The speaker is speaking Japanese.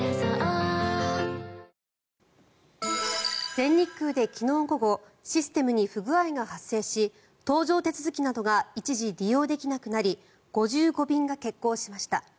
全日空で昨日午後システムに不具合が発生し搭乗手続きなどが一時、利用できなくなり５５便が欠航しました。